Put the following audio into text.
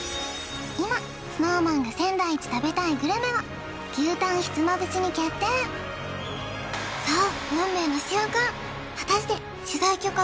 今ＳｎｏｗＭａｎが仙台一食べたいグルメは牛たんひつまぶしに決定さあ